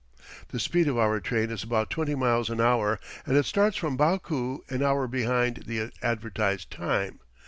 The speed of our train is about twenty miles an hour, and it starts from Baku an hour behind the advertised time.